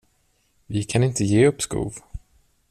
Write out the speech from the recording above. Vi kan inte ge uppskov.